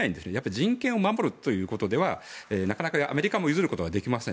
人権を守るということではなかなかアメリカも譲ることはできません。